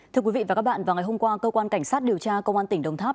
thưa quý vị và các bạn vào ngày hôm qua cơ quan cảnh sát điều tra công an tỉnh đồng tháp